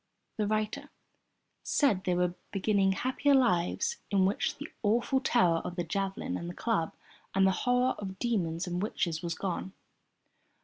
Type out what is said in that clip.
The writer said they were beginning happier lives in which the awful terror of the javelin and the club, and the horror of demons and witches was gone.